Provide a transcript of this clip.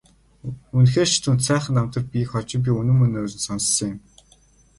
Үнэхээр ч түүнд сайхан намтар бийг хожим би үнэн мөнөөр нь сонссон юм.